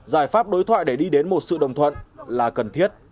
giải pháp đối thoại để đi đến một sự đồng thuận là cần thiết